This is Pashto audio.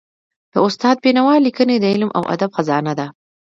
د استاد بینوا ليکني د علم او ادب خزانه ده.